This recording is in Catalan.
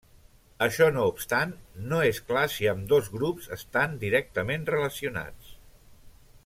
Això no obstant, no és clar si ambdós grups estan directament relacionats.